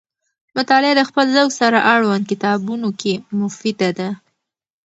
مطالعه د خپل ذوق سره اړوند کتابونو کې مفیده ده.